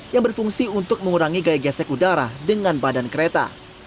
yang berfungsi untuk mengurangi gaya gesek udara dengan badan kereta